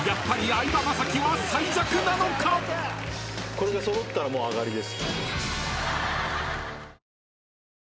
これで揃ったらもう上がりです。